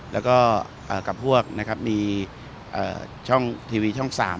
และกับพวกช่องที่ที่ทีวีช่องสาม